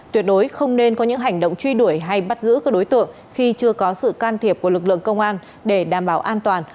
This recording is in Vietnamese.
tuyệt đối không nên có những hành động truy đuổi hay bắt giữ các đối tượng khi chưa có sự can thiệp của lực lượng công an để đảm bảo an toàn